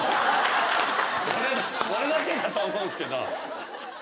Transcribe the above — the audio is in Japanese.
俺だけだと思うんすけど。